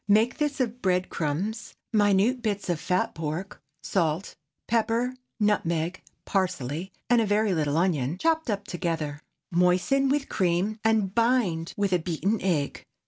Make this of bread crumbs, minute bits of fat pork, salt, pepper, nutmeg, parsley, and a very little onion, chopped up together. Moisten with cream, and bind with a beaten egg.